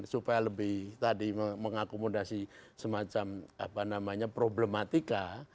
supaya lebih tadi mengakomodasi semacam apa namanya problematika